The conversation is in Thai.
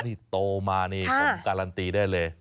ที่โตมานี่ผมการันตีได้เลย